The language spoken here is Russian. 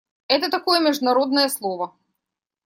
Это такое международное слово.